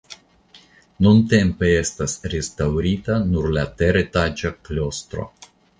Nuntempe estas restaŭrita nur la teretaĝa klostro.